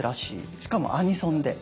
しかもアニソンで。